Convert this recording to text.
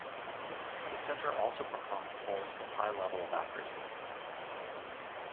The center also performs polls with high levels of accuracy.